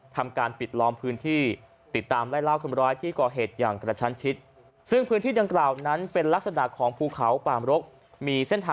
ทำการปิดล้อมพื้นที่ติดตาม